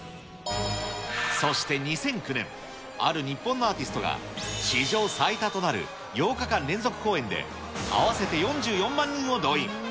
そして２００９年、ある日本のアーティストが、史上最多となる８日間連続公演で、合わせて４４万人を動員。